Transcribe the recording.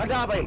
ada apa ini